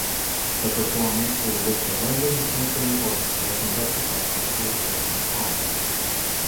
The performance was with the London Symphony Orchestra conducted by Michael Tilson Thomas.